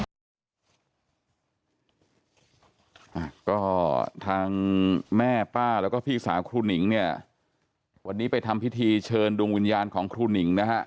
อ่าก็ทางแม่ป้าแล้วก็พี่สาวครูหนิงเนี่ยวันนี้ไปทำพิธีเชิญดวงวิญญาณของครูหนิงนะฮะ